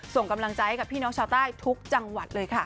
ส่งกำลังใจกับพี่น้องชาวใต้ทุกจังหวัดเลยค่ะ